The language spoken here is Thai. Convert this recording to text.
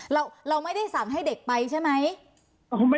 เราไม่ได้สั่งให้เด็กไปใช่ไหม